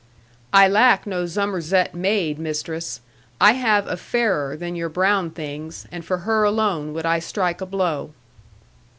'I lack no Zummerzett maid, mistress: I have a fairer than your brown things; and for her alone would I strike a blow.'